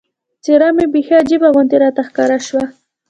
څېره مې بیخي عجیبه غوندې راته ښکاره شوه.